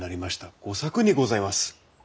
吾作にございます！